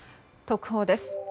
特報です。